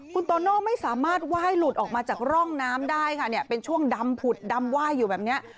คุณโตโน่ไม่สามารถไหว้หลุดออกมาจากร่องน้ำได้ค่ะเนี่ยเป็นช่วงดำผุดดำไหว้อยู่แบบนี้